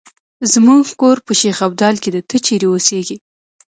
زمونږ کور په شیخ ابدال کې ده، ته چېرې اوسیږې؟